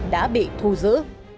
đã bị thu giữ